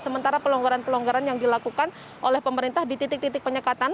sementara pelonggaran pelonggaran yang dilakukan oleh pemerintah di titik titik penyekatan